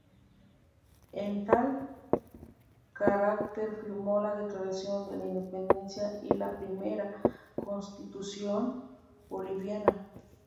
En tal carácter firmó la Declaración de la Independencia y la primera Constitución boliviana.